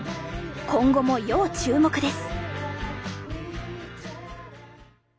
今後も要注目です！